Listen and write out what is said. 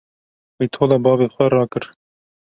Wî tola bavê xwe rakir.